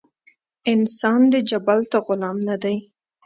انسان د جبلت غلام نۀ دے